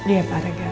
iya pak regar